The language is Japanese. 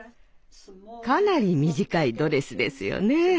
かなり短いドレスですよね。